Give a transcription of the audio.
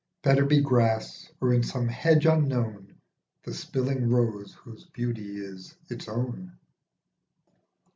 Better be grass, or in some hedge unknown The spilling rose whose beauty is its own.